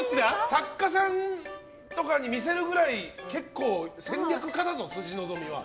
作家さんとかに見せるぐらい戦略家だぞ、辻希美は。